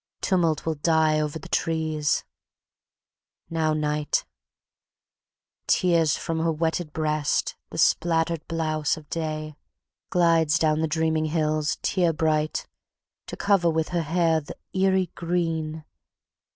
Tumult will die over the trees) Now night Tears from her wetted breast the splattered blouse Of day, glides down the dreaming hills, tear bright, To cover with her hair the eerie green...